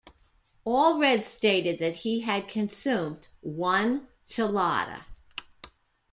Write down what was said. Allred stated that he had consumed one chelada.